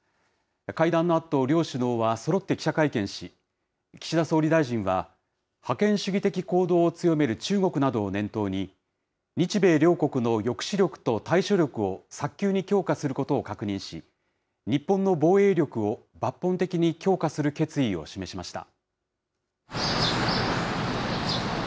会談のあと、両首脳はそろって記者会見し、岸田総理大臣は、覇権主義的行動を強める中国などを念頭に、日米両国の抑止力と対処力を早急に強化することを確認し、日本の防衛力を抜本的に強化する決意を示しました。